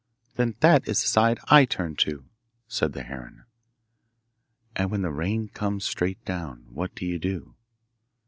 'Then that is the side I turn to,' said the heron. 'And when the rain comes straight down, what do you do?